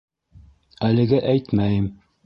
Әлегә әйтмәйем.